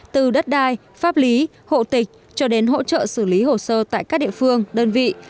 từ đất đai pháp lý hộ tịch cho đến hỗ trợ xử lý hồ sơ tại các địa phương đơn vị